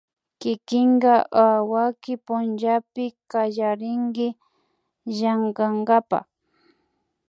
kikinka awaki pullapi kallarinki llankakapak